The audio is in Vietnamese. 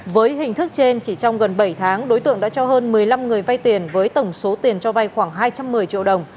với hình thức trên chỉ trong gần bảy tháng đối tượng đã cho hơn một mươi năm người vay tiền với tổng số tiền cho vay khoảng hai trăm một mươi triệu đồng